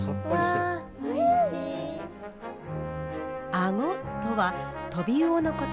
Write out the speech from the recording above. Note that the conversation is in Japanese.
あごとはトビウオのこと。